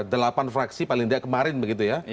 delapan fraksi paling tidak kemarin begitu ya